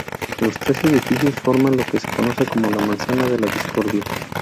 Los tres edificios forman lo que se conoce como "La manzana de la discordia".